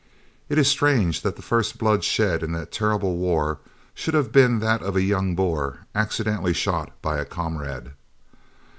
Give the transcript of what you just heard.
It is strange that the first blood shed in that terrible war should have been that of a young Boer accidentally shot by a comrade.